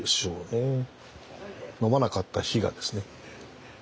飲まなかった日がですね。